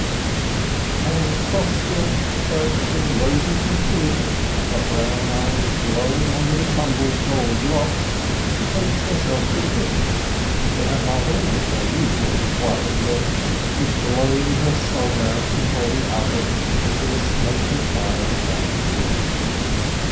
260 STEINBERG And Sossye, fresh and rosy from sleep, her brown eyes glowing under the tumbled gold locks, betakes herself to the kitchen, where her mother, with her usual worried look, is blowing her soul out before the oven into a smoky fire of damp wood.